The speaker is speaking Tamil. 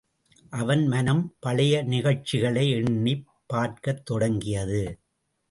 அவன் மனம் பழைய நிகழ்ச்சிகளை எண்ணிப் பார்க்கத் தொடங்கியது.